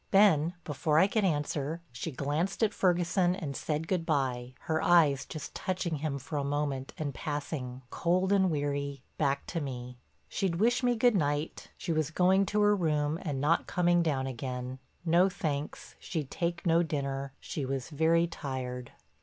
Then, before I could answer, she glanced at Ferguson and said good by, her eyes just touching him for a moment and passing, cold and weary, back to me. She'd wish me good night, she was going to her room and not coming down again—no, thanks, she'd take no dinner, she was very tired.